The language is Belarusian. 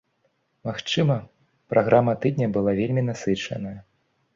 Магчыма, праграма тыдня была вельмі насычаная.